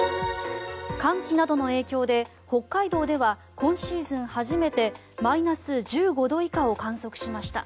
寒気などの影響で北海道では今シーズン初めてマイナス１５度以下を観測しました。